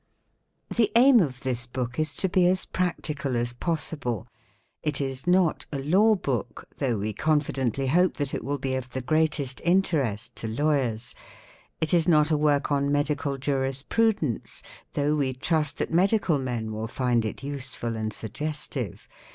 _ The aim of this book is to be as practical as possible. It is not a law {s book, though we confidently hope that it will be of the greatest interest to lawyers. It is not a work on medical jurisprudence, though we trust that medical men will find it useful and suggestive.